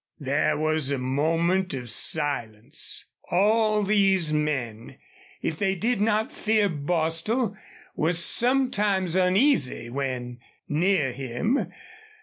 There was a moment of silence. All these men, if they did not fear Bostil, were sometimes uneasy when near him.